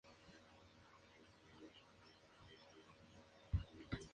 Una rica benefactora admiradora de su talento le aconsejó mudarse a la capital.